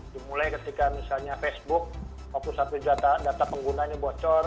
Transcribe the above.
dimulai ketika misalnya facebook dua puluh satu data penggunanya bocor